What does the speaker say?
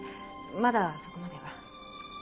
まだそこまでは。